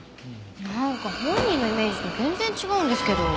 なんか本人のイメージと全然違うんですけど。